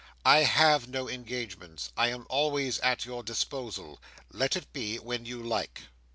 "I have no engagements. I am always at your disposal. Let it be when you like."